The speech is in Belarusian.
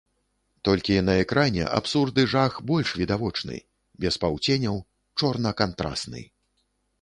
Толькі на экране абсурд і жах больш відавочны, без паўценяў, чорна-кантрасны.